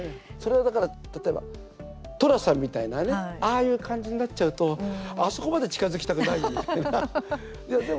それはだから例えば寅さんみたいなねああいう感じになっちゃうとあそこまで近づきたくない。